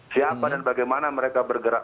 siapa dan bagaimana mereka bergerak